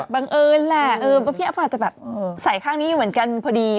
บังเอิญแหละภาษาภาษาจะแบบใส่ข้างนี้เหมือนกันพอดี